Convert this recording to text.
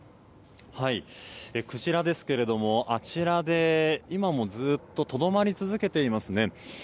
クジラですがあちらで今もずっととどまり続けていますね。